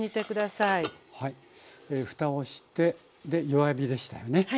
ふたをしてで弱火でしたよね。